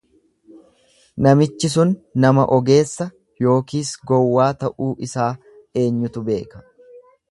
namichi sun nama ogeessa yookiis gowwaa ta'uu isaa eenyutu beeka?